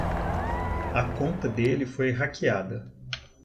A conta dele foi hackeada.